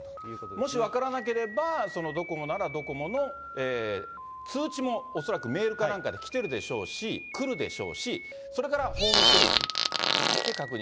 もし分からなければ、ドコモならドコモの、通知も恐らくメールかなんかで来てるでしょうし、来るでしょうし、それからホームページで確認。